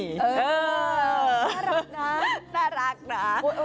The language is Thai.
น่ารักนะน่ารักนะ